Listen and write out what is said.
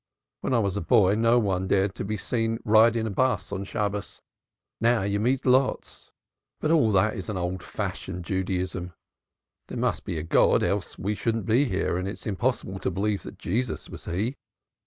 When I was a boy nobody dared be seen riding in a 'bus on Shabbos now you meet lots. But all that is only old fashioned Judaism. There must be a God, else we shouldn't be here, and it's impossible to believe that Jesus was He.